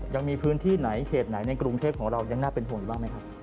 ยังมีพื้นที่ไหนเขตไหนในกรุงเทพของเรายังน่าเป็นห่วงอยู่บ้างไหมครับ